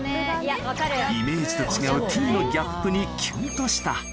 イメージと違うＴのギャップにキュンとした。